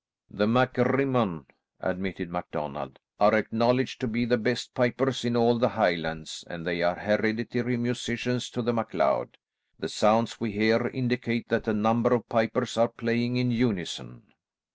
"The MacRimmon," admitted MacDonald, "are acknowledged to be the best pipers in all the Highlands, and they are hereditary musicians to the MacLeod. The sounds we hear indicate that a number of pipers are playing in unison."